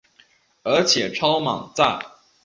而且超满载